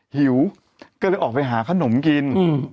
หิวออกไปหาขนมกิน